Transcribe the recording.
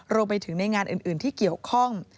รวมไปถึงในงานอื่นที่เกี่ยวข้อง